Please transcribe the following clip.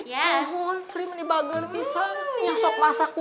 udah biarin sendiri aja yang masak